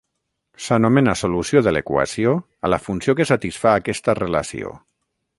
S'anomena solució de l'equació a la funció que satisfà aquesta relació.